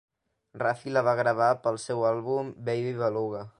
Raffi la va gravar pel seu àlbum "Baby Beluga".